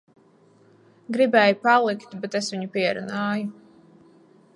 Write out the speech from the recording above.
Gribēja palikt, bet es viņu pierunāju.